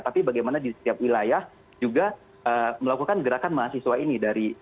tapi bagaimana di setiap wilayah juga melakukan gerakan mahasiswa ini